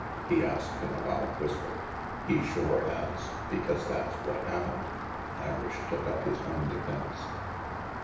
he asked in a loud whisper. "He shore has, because that's what happened." Irish took up his own defence.